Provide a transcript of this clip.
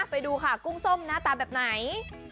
ไปดูค่ะกุ้งส้มหน้าตาแบบไหน